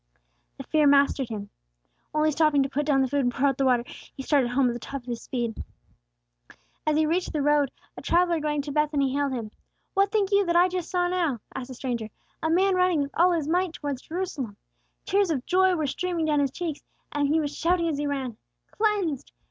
The fear mastered him. Only stopping to put down the food and pour out the water, he started home at the top of his speed. As he reached the road, a traveller going to Bethany hailed him. "What think you that I saw just now?" asked the stranger. "A man running with all his might towards Jerusalem. Tears of joy were streaming down his cheeks, and he was shouting as he ran, 'Cleansed!